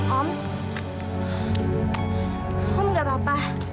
om enggak apa apa